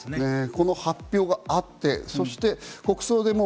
この発表があって、そして国葬でね。